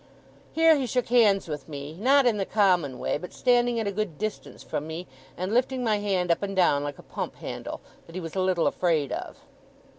Here he shook hands with me: not in the common way, but standing at a good distance from me, and lifting my hand up and down like a pump handle, that he was a little afraid of.